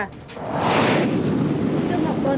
dương ngọc quân